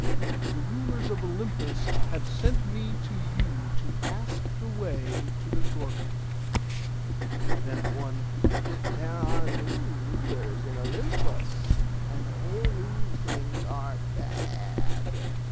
The rulers of Olympus have sent me to you to ask the way to the Gorgon.' Then one, 'There are new rulers in Olympus, and all new things are bad.